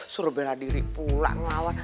suruh bela diri pula ngelawan